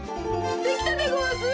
できたでごわす。